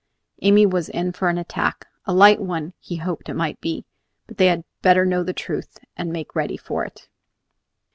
Amy was in for an attack, a light one he hoped it might be, but they had better know the truth and make ready for it.